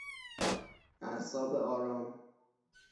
اعصاب آرام